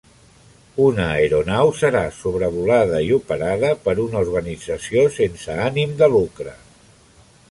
Una aeronau serà sobrevolada i operada per una organització sense ànim de lucre.